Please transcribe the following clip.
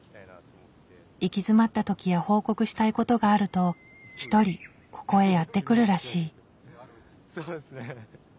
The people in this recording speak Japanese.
行き詰まった時や報告したいことがあると１人ここへやって来るらしい。